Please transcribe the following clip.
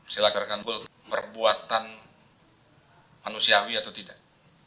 silahkan kagul perbuatan manusiawi atau tidak